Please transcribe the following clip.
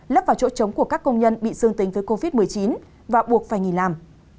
lấp vào chỗ chống của các công nhân bị sương tình với covid một mươi chín và buộc phải nghỉ làm